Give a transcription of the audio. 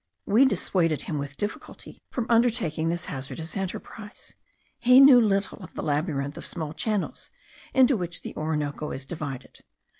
We dissuaded him with difficulty from undertaking this hazardous enterprise. He knew little of the labyrinth of small channels, into which the Orinoco is divided.